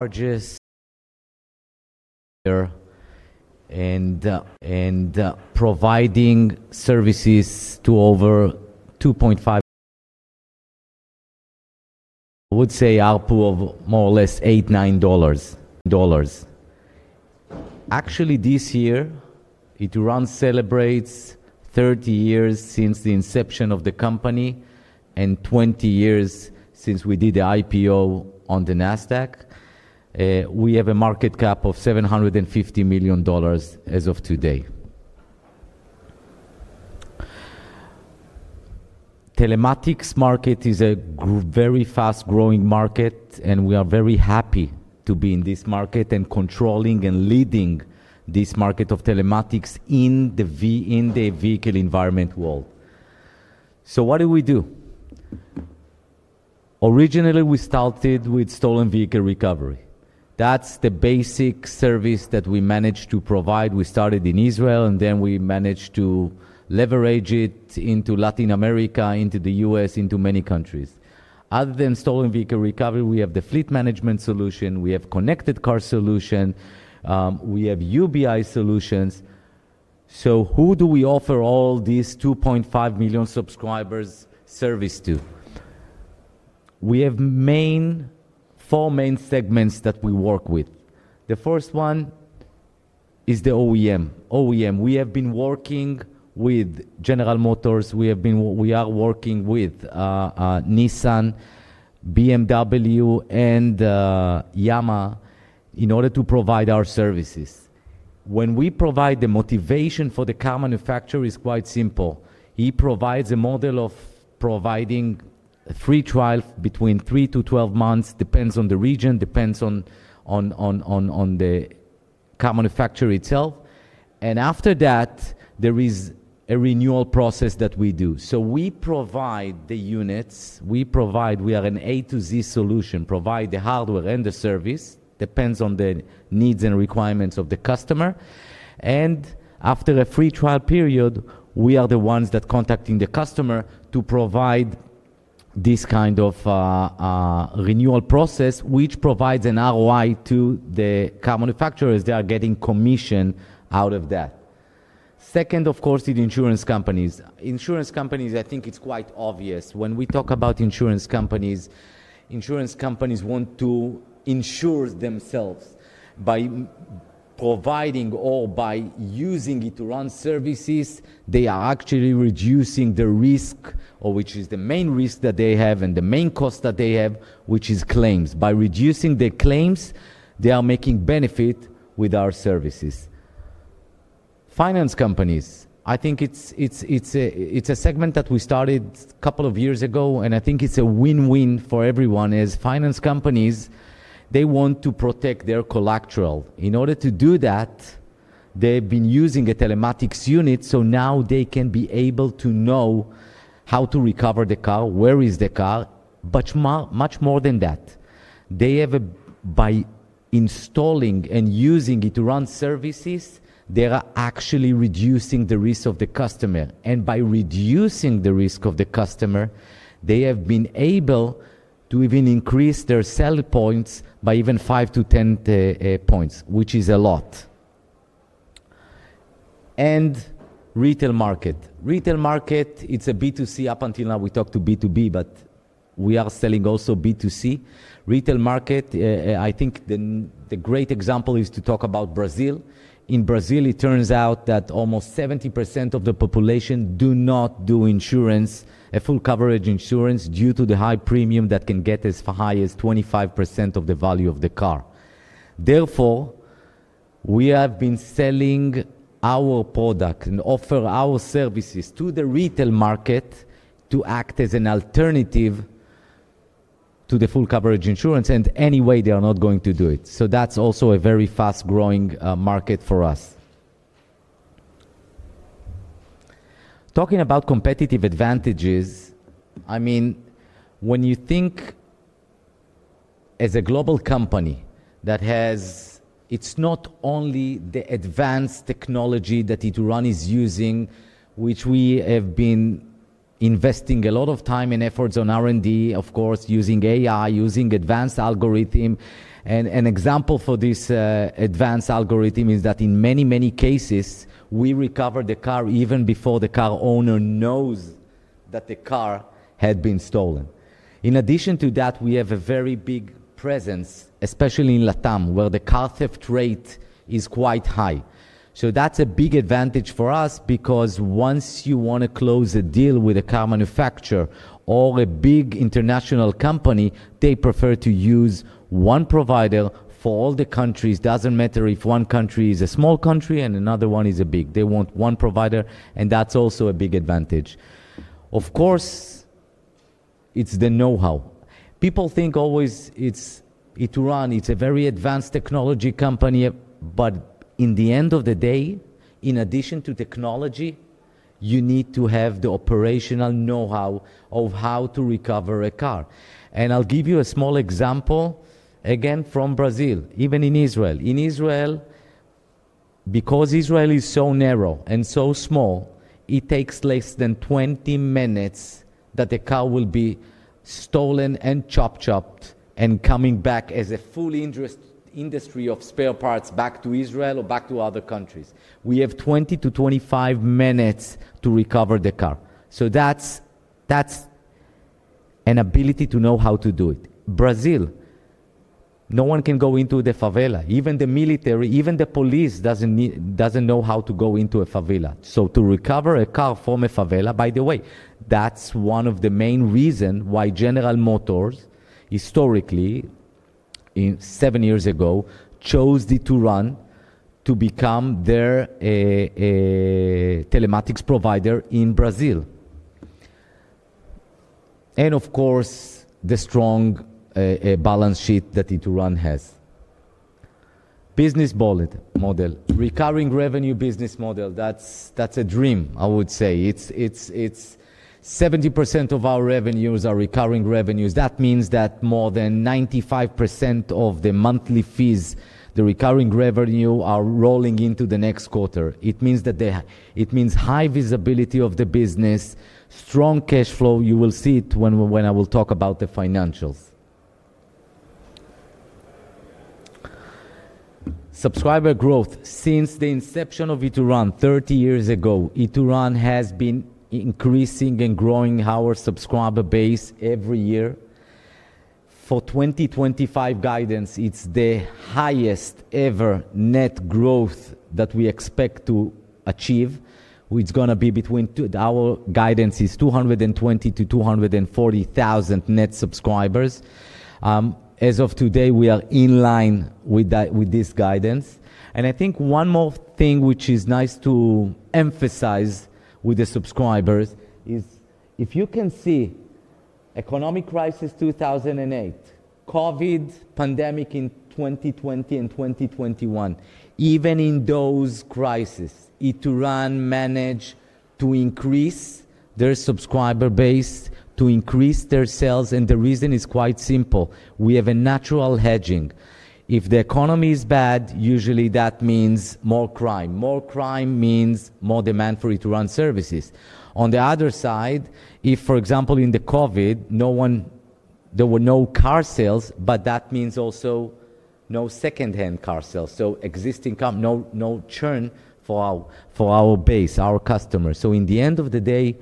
Providing services to over 2.5 million people, I would say our pool of more or less $8 million. Actually, this year, Ituran celebrates 30 years since the inception of the company and 20 years since we did the IPO on the Nasdaq. We have a market cap of $750 million as of today. The telematics market is a very fast-growing market, and we are very happy to be in this market and controlling and leading this market of telematics in the vehicle environment world. What do we do? Originally, we started with stolen vehicle recovery. That's the basic service that we managed to provide. We started in Israel, and then we managed to leverage it into Latin America, into the U.S., into many countries. Other than stolen vehicle recovery, we have the fleet management solution. We have connected car solutions. We have UBI solutions. Who do we offer all these 2.5 million subscribers service to? We have four main segments that we work with. The first one is the OEM. We have been working with General Motors. We are working with Nissan, BMW, and Yamaha in order to provide our services. When we provide the motivation for the car manufacturer, it's quite simple. He provides a model of providing a free trial between 3-12 months. It depends on the region, depends on the car manufacturer itself. After that, there is a renewal process that we do. We provide the units. We provide, we are an A to Z solution, provide the hardware and the service. It depends on the needs and requirements of the customer. After a free trial period, we are the ones that contact the customer to provide this kind of renewal process, which provides an ROI to the car manufacturers. They are getting commission out of that. Second, of course, is insurance companies. Insurance companies, I think it's quite obvious. When we talk about insurance companies, insurance companies want to insure themselves by providing or by using Ituran Location and Control Ltd. services. They are actually reducing the risk, which is the main risk that they have and the main cost that they have, which is claims. By reducing the claims, they are making benefit with our services. Finance companies, I think it's a segment that we started a couple of years ago, and I think it's a win-win for everyone. As finance companies, they want to protect their collateral. In order to do that, they've been using a telematics unit. Now they can be able to know how to recover the car, where is the car, but much more than that. They have, by installing and using Ituran services, they are actually reducing the risk of the customer. By reducing the risk of the customer, they have been able to even increase their sell points by even 5 to 10 points, which is a lot. Retail market. Retail market, it's a B2C. Up until now, we talked to B2B, but we are selling also B2C. Retail market, I think the great example is to talk about Brazil. In Brazil, it turns out that almost 70% of the population does not do insurance, a full coverage insurance, due to the high premium that can get as high as 25% of the value of the car. Therefore, we have been selling our product and offer our services to the retail market to act as an alternative to the full coverage insurance. Anyway, they are not going to do it. That's also a very fast-growing market for us. Talking about competitive advantages, when you think as a global company that has, it's not only the advanced technology that Ituran is using, which we have been investing a lot of time and efforts on R&D, of course, using AI, using advanced algorithm. An example for this advanced algorithm is that in many, many cases, we recover the car even before the car owner knows that the car had been stolen. In addition to that, we have a very big presence, especially in Latam, where the car theft rate is quite high. That's a big advantage for us because once you want to close a deal with a car manufacturer or a big international company, they prefer to use one provider for all the countries. It doesn't matter if one country is a small country and another one is a big. They want one provider, and that's also a big advantage. Of course, it's the know-how. People think always it's Ituran, it's a very advanced technology company. In the end of the day, in addition to technology, you need to have the operational know-how of how to recover a car. I'll give you a small example again from Brazil, even in Israel. In Israel, because Israel is so narrow and so small, it takes less than 20 minutes that a car will be stolen and chopped up and coming back as a full industry of spare parts back to Israel or back to other countries. We have 20-25 minutes to recover the car. That's an ability to know how to do it. Brazil, no one can go into the favela. Even the military, even the police doesn't know how to go into a favela. To recover a car from a favela, by the way, that's one of the main reasons why General Motors historically, seven years ago, chose Ituran Location and Control Ltd. to become their telematics provider in Brazil. Of course, the strong balance sheet that Ituran has. Business model, recurring revenue business model, that's a dream, I would say. 70% of our revenues are recurring revenues. That means that more than 95% of the monthly fees, the recurring revenue, are rolling into the next quarter. It means high visibility of the business, strong cash flow. You will see it when I talk about the financials. Subscriber growth. Since the inception of Ituran 30 years ago, Ituran has been increasing and growing our subscriber base every year. For 2025 guidance, it's the highest ever net growth that we expect to achieve. It's going to be between, our guidance is 220,000-240,000 net subscribers. As of today, we are in line with this guidance. I think one more thing which is nice to emphasize with the subscribers is if you can see the economic crisis in 2008, COVID pandemic in 2020 and 2021, even in those crises, Ituran managed to increase their subscriber base, to increase their sales. The reason is quite simple. We have a natural hedging. If the economy is bad, usually that means more crime. More crime means more demand for Ituran services. On the other side, for example, in the COVID, there were no car sales, but that means also no second-hand car sales. So existing car, no churn for our base, our customers. In the end of the day,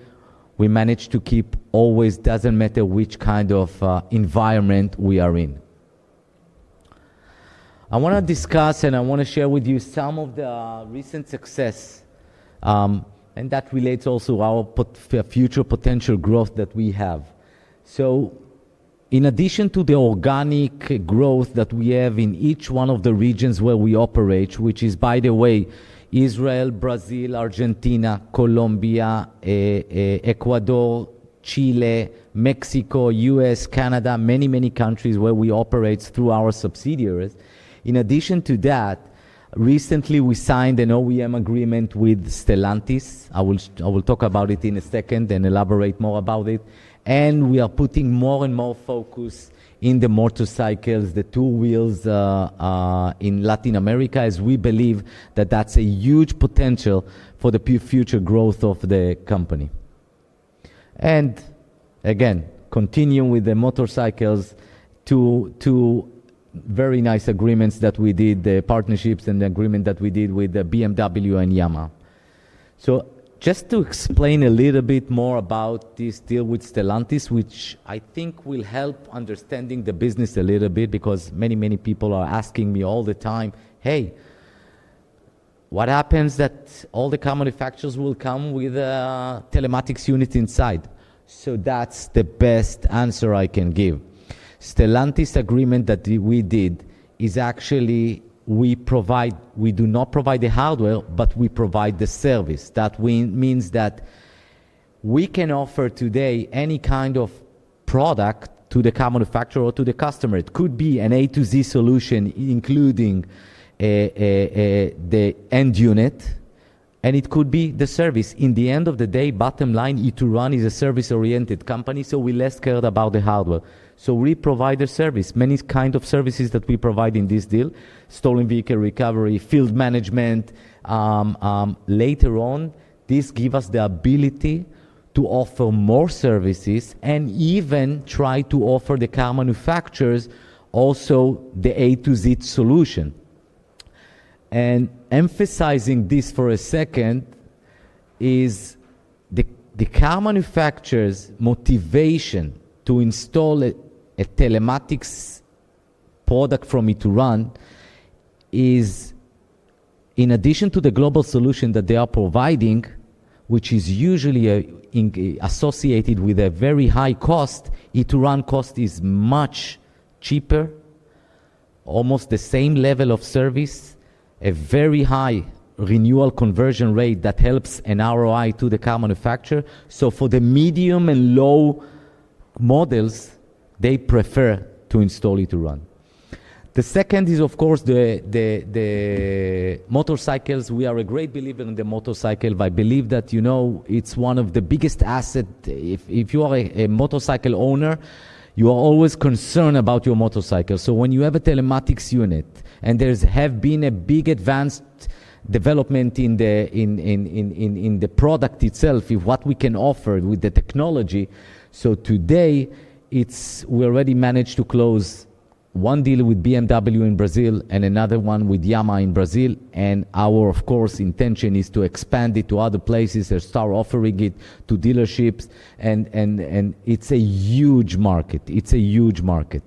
we managed to keep always, doesn't matter which kind of environment we are in. I want to discuss and I want to share with you some of the recent success, and that relates also to our future potential growth that we have. In addition to the organic growth that we have in each one of the regions where we operate, which is, by the way, Israel, Brazil, Argentina, Colombia, Ecuador, Chile, Mexico, U.S., Canada, many, many countries where we operate through our subsidiaries. In addition to that, recently we signed an OEM agreement with Stellantis. I will talk about it in a second and elaborate more about it. We are putting more and more focus in the motorcycles, the two wheels in Latin America, as we believe that that's a huge potential for the future growth of the company. Again, continuing with the motorcycles, two very nice agreements that we did, the partnerships and the agreement that we did with BMW and Yamaha. Just to explain a little bit more about this deal with Stellantis, which I think will help understanding the business a little bit, because many, many people are asking me all the time, hey, what happens that all the car manufacturers will come with a telematics unit inside? That's the best answer I can give. The Stellantis agreement that we did is actually we provide, we do not provide the hardware, but we provide the service. That means that we can offer today any kind of product to the car manufacturer or to the customer. It could be an A to Z solution, including the end unit, and it could be the service. In the end of the day, bottom line, Ituran is a service-oriented company, so we're less scared about the hardware. We provide the service, many kinds of services that we provide in this deal, stolen vehicle recovery, fleet management. Later on, this gives us the ability to offer more services and even try to offer the car manufacturers also the A to Z solution. Emphasizing this for a second is the car manufacturer's motivation to install a telematics product from Ituran is, in addition to the global solution that they are providing, which is usually associated with a very high cost, Ituran cost is much cheaper, almost the same level of service, a very high renewal conversion rate that helps an ROI to the car manufacturer. For the medium and low models, they prefer to install Ituran. The second is, of course, the motorcycles. We are a great believer in the motorcycle. I believe that it's one of the biggest assets. If you are a motorcycle owner, you are always concerned about your motorcycle. When you have a telematics unit, and there has been a big advanced development in the product itself, what we can offer with the technology. Today, we already managed to close one deal with BMW in Brazil and another one with Yamaha in Brazil. Our, of course, intention is to expand it to other places and start offering it to dealerships. It's a huge market. It's a huge market.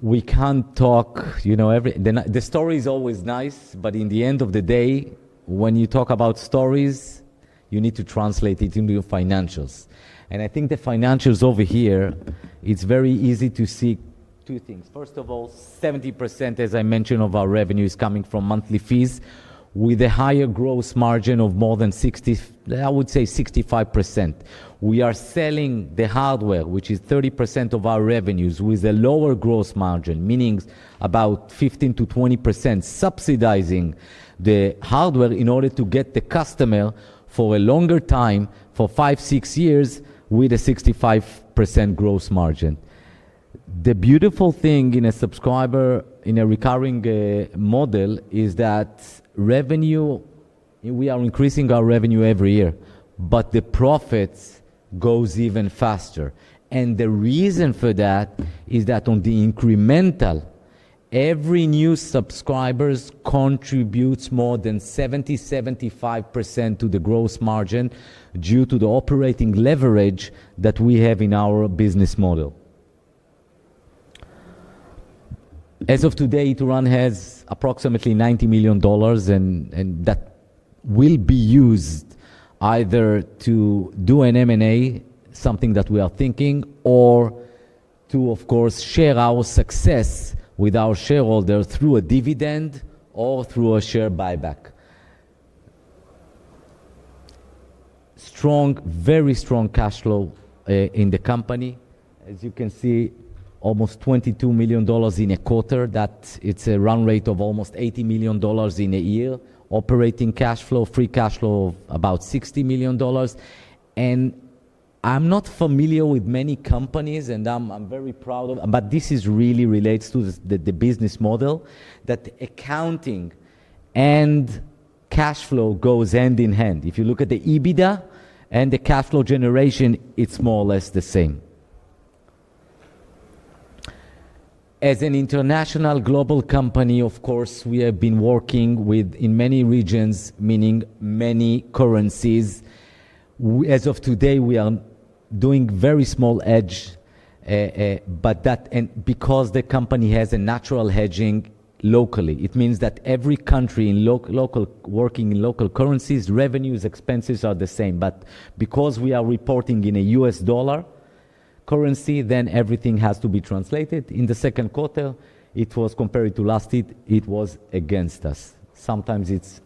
We can't talk the story is always nice, but in the end of the day, when you talk about stories, you need to translate it into your financials. I think the financials over here, it's very easy to see two things. First of all, 70% as I mentioned, of our revenue is coming from monthly fees with a higher gross margin of more than 60%, I would say 65%. We are selling the hardware, which is 30% of our revenues, with a lower gross margin, meaning about 15%-20% subsidizing the hardware in order to get the customer for a longer time, for five, six years, with a 65% gross margin. The beautiful thing in a subscriber in a recurring model is that revenue, we are increasing our revenue every year, but the profits go even faster. The reason for that is that on the incremental, every new subscriber contributes more than 70%, 75% to the gross margin due to the operating leverage that we have in our business model. As of today, Ituran has approximately $90 million, and that will be used either to do an M&A, something that we are thinking, or to, of course, share our success with our shareholders through a dividend or through a share buyback. Strong, very strong cash flow in the company. As you can see, almost $22 million in a quarter. It's a run rate of almost $80 million in a year. Operating cash flow, free cash flow of about $60 million. I'm not familiar with many companies, and I'm very proud of it. This really relates to the business model that accounting and cash flow go hand in hand. If you look at the EBITDA and the cash flow generation, it's more or less the same. As an international global company, of course, we have been working in many regions, meaning many currencies. As of today, we are doing very small hedge, but that is because the company has a natural hedging locally. It means that every country in local working in local currencies, revenues, expenses are the same. Because we are reporting in a U.S. dollar currency, then everything has to be translated. In the second quarter, it was compared to last year, it was against us. Sometimes it's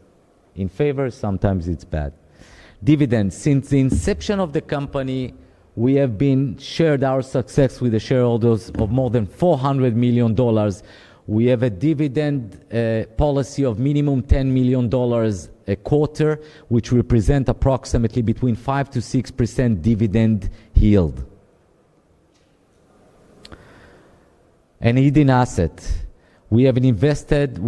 in favor, sometimes it's bad. Dividends. Since the inception of the company, we have shared our success with the shareholders of more than $400 million. We have a dividend policy of minimum $10 million a quarter, which represents approximately between 5%-6% dividend yield. Hidden assets. We have invested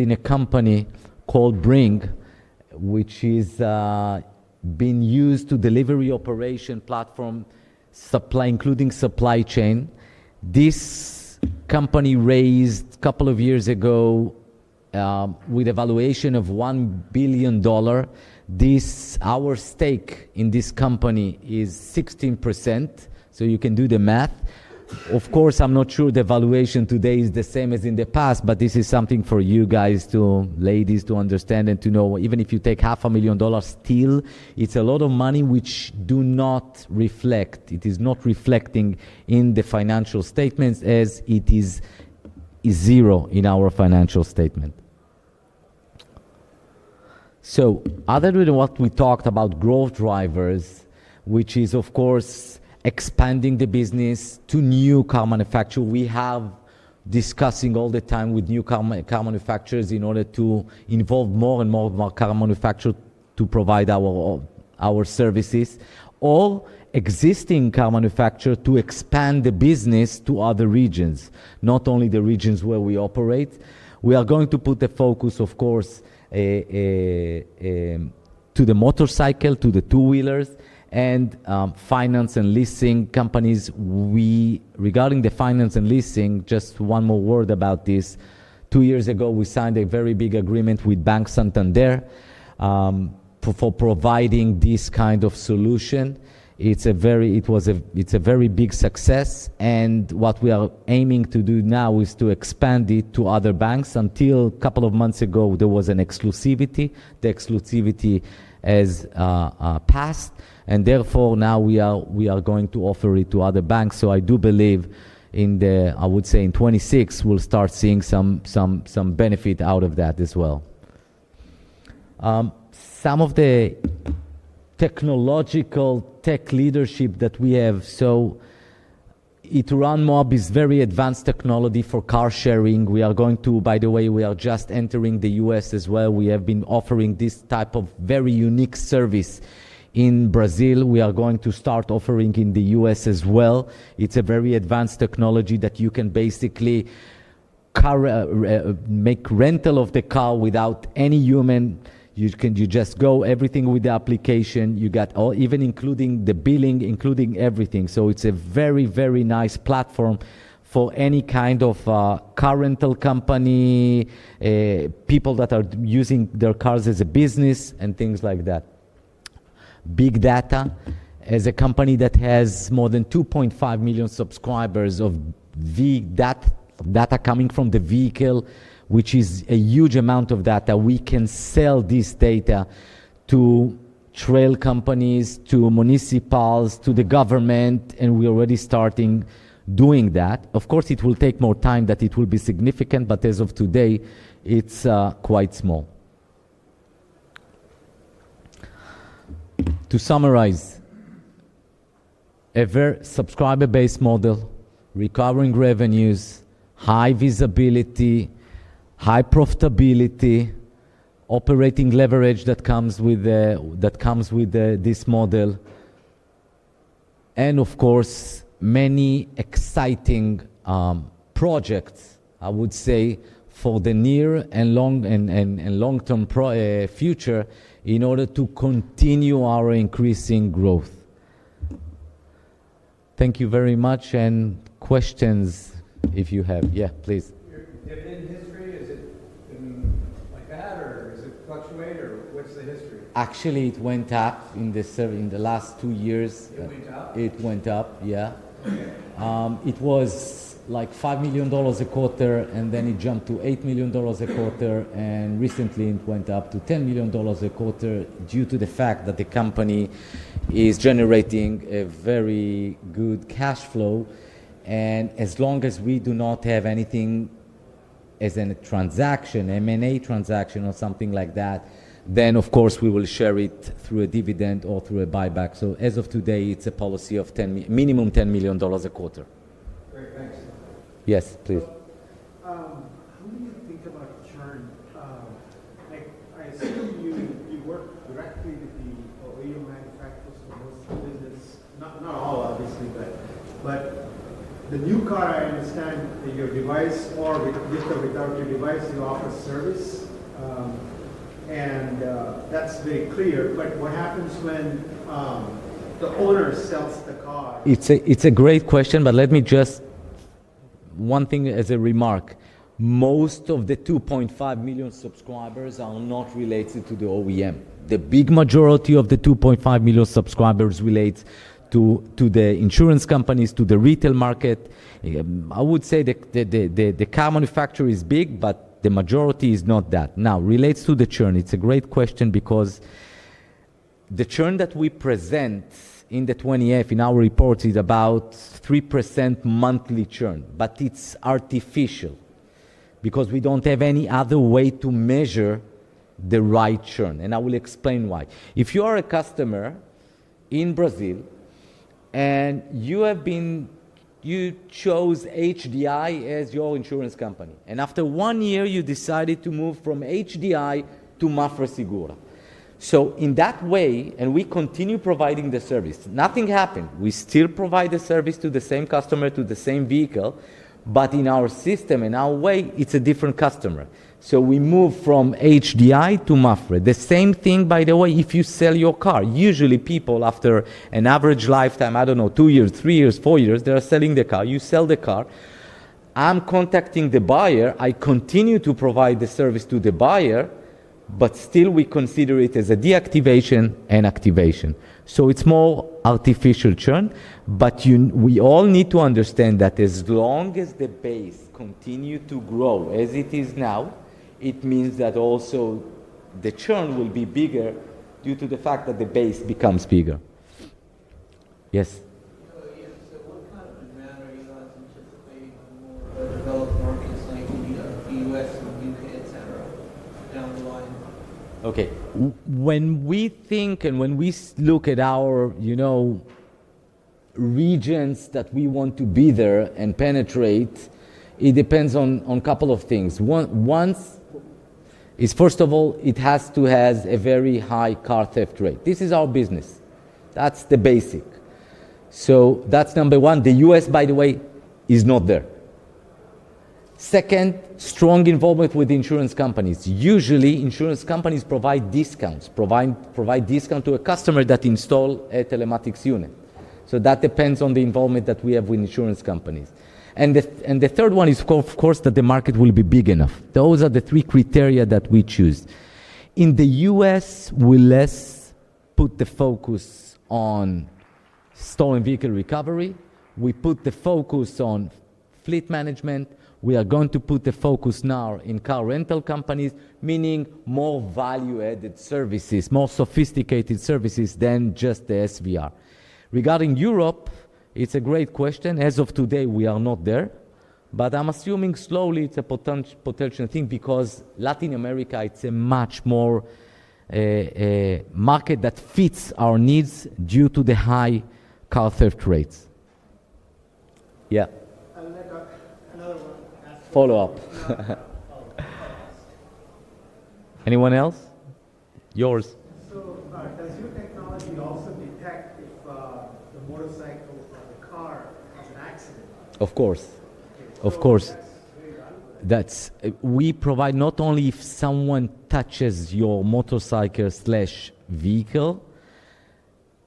in a company called Bringg, which has been used to deliver operation platform, including supply chain. This company raised a couple of years ago with a valuation of $1 billion. Our stake in this company is 16%. You can do the math. Of course, I'm not sure the valuation today is the same as in the past, but this is something for you guys, ladies, to understand and to know. Even if you take half a million dollars, still, it's a lot of money which does not reflect. It is not reflecting in the financial statements as it is zero in our financial statement. Other than what we talked about, growth drivers, which is, of course, expanding the business to new car manufacturers. We have discussed all the time with new car manufacturers in order to involve more and more of our car manufacturers to provide our services, or existing car manufacturers to expand the business to other regions, not only the regions where we operate. We are going to put the focus, of course, to the motorcycle, to the two wheelers, and finance and leasing companies. Regarding the finance and leasing, just one more word about this. Two years ago, we signed a very big agreement with Bank Santander for providing this kind of solution. It's a very big success. What we are aiming to do now is to expand it to other banks. Until a couple of months ago, there was an exclusivity. The exclusivity has passed. Therefore, now we are going to offer it to other banks. I do believe in the, I would say, in 2026, we'll start seeing some benefit out of that as well. Some of the technological tech leadership that we have. Ituran MOB is very advanced technology for car sharing. We are going to, by the way, we are just entering the U.S. as well. We have been offering this type of very unique service in Brazil. We are going to start offering in the U.S. as well. It's a very advanced technology that you can basically make rental of the car without any human. You just go everything with the application. You get even including the billing, including everything. It's a very, very nice platform for any kind of car rental company, people that are using their cars as a business, and things like that. Big data. As a company that has more than 2.5 million subscribers of data coming from the vehicle, which is a huge amount of data, we can sell this data to trail companies, to municipals, to the government. We're already starting doing that. Of course, it will take more time that it will be significant. As of today, it's quite small. To summarize, a subscriber-based model, recurring revenues, high visibility, high profitability, operating leverage that comes with this model, and many exciting projects, I would say, for the near and long-term future in order to continue our increasing growth. Thank you very much. Questions, if you have. Yeah, please. Your dividend history, is it like that, or does it fluctuate, or what's the history? Actually, it went up in the last two years. It went up? It went up, yeah. It was like $5 million a quarter, and then it jumped to $8 million a quarter. Recently, it went up to $10 million a quarter due to the fact that the company is generating a very good cash flow. As long as we do not have anything as a transaction, M&A transaction, or something like that, we will share it through a dividend or through a buyback. As of today, it's a policy of minimum $10 million a quarter. Great, thanks. Yes, please. How do you think about churn? I assume you work directly with the OEM manufacturers for most of the business. Not all, obviously, but the new car, I understand, your device, or with or without your device, you offer service. That's very clear. What happens when the owner sells the car? It's a great question, but let me just say one thing as a remark. Most of the 2.5 million subscribers are not related to the OEM. The big majority of the 2.5 million subscribers relate to the insurance companies, to the retail market. I would say the car manufacturer is big, but the majority is not that. Now, relates to the churn. It's a great question because the churn that we present in the 20-F, in our reports, is about 3% monthly churn. It's artificial because we don't have any other way to measure the right churn. I will explain why. If you are a customer in Brazil and you chose HDI as your insurance company, and after one year, you decided to move from HDI to MAPFRE Segura, we continue providing the service. Nothing happened. We still provide the service to the same customer, to the same vehicle. In our system and our way, it's a different customer. We move from HDI to MAPFRE. The same thing, by the way, if you sell your car. Usually, people after an average lifetime, I don't know, two years, three years, four years, they're selling the car. You sell the car. I'm contacting the buyer. I continue to provide the service to the buyer. Still, we consider it as a deactivation and activation. It's more artificial churn. We all need to understand that as long as the base continues to grow as it is now, it means that also the churn will be bigger due to the fact that the base becomes bigger. Yes? What kind of demand are you guys anticipating on more developed markets like the U.S., the U.K., et cetera, down the line? Okay. When we think and when we look at our regions that we want to be there and penetrate, it depends on a couple of things. One is, first of all, it has to have a very high car theft rate. This is our business. That's the basic. That's number one. The U.S., by the way, is not there. Second, strong involvement with insurance companies. Usually, insurance companies provide discounts to a customer that installs a telematics unit. That depends on the involvement that we have with insurance companies. The third one is, of course, that the market will be big enough. Those are the three criteria that we choose. In the U.S., we less put the focus on stolen vehicle recovery. We put the focus on fleet management. We are going to put the focus now in car rental companies, meaning more value-added services, more sophisticated services than just the SVR. Regarding Europe, it's a great question. As of today, we are not there. I'm assuming slowly it's a potential thing because Latin America, it's a much more market that fits our needs due to the high car theft rates. Yeah? I would like another one to ask you. Follow up. Oh, go ahead. Anyone else? Yours? Does your technology also detect if the motorcycle or the car has an accident on it? Of course. Of course. That's very valuable. We provide not only if someone touches your motorcycle or vehicle,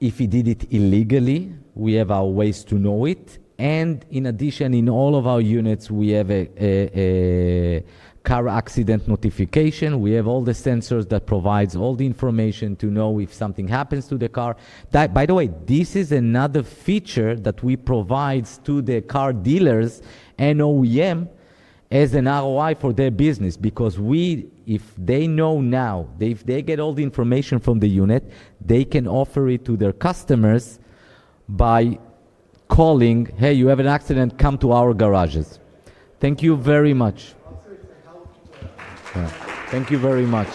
if he did it illegally, we have our ways to know it. In addition, in all of our units, we have a car accident notification. We have all the sensors that provide all the information to know if something happens to the car. By the way, this is another feature that we provide to the car dealers and OEM as an ROI for their business because if they know now, if they get all the information from the unit, they can offer it to their customers by calling, "Hey, you have an accident, come to our garages." Thank you very much. It's a healthy way of. Thank you very much.